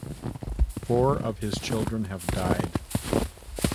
Four of his children have died.